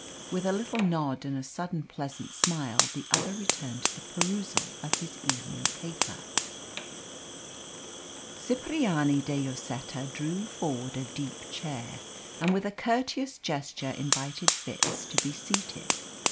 With a little nod and a sudden pleasant smile the other returned to the perusal of his evening paper. Cipriani de Lloseta drew forward a deep chair, and with a courteous gesture invited Fitz to be seated.